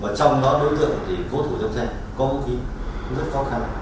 và trong đó đối tượng thì cố thủ trong xe có vũ khí rất khó khăn